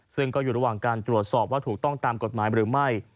ซึ่งก็อยู่ระหว่างการตรวจสอบว่าถูกต้องตามกฎหมายหรือไม่